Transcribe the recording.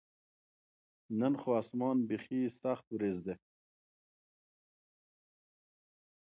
نبات د رڼا په واسطه رڼا جوړونه کوي